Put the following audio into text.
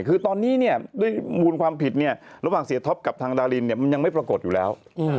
คือตอนนี้เนี่ยด้วยมูลความผิดเนี่ยระหว่างเสียท็อปกับทางดารินเนี่ยมันยังไม่ปรากฏอยู่แล้ว